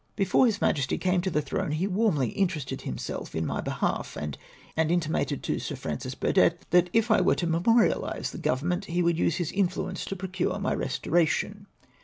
Before His Majesty HIS LATE majesty's. 325 (•ame to the throne he warmly interested himself in my behah', and intimated to Sir Francis Burdett, that if I were to memoriahse the Government, he would use his influence to procure my restoration.